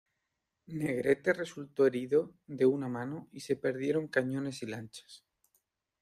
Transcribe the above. Negrete resultó herido de una mano y se perdieron cañones y lanchas.